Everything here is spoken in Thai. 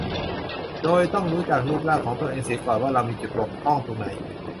โดยต้องรู้จักรูปร่างของตัวเองเสียก่อนว่าเรามีจุดบกพร่องตรงไหน